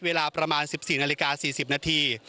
เวลาประมาณ๑๔นาฬิกา๔๐นาที